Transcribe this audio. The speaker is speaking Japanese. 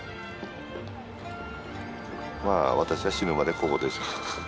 まあ私は死ぬまでここです。